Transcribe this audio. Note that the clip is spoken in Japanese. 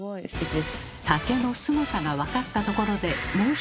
竹のすごさが分かったところでもう一つ。